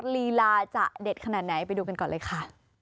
ลีลาจะเด็ดขนาดไหนไปดูกันก่อนเลยค่ะ